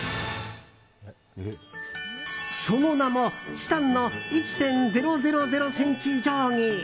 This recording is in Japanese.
その名もチタンの１．０００ｃｍ定規。